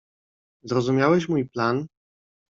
"Zrozumiałeś mój plan?"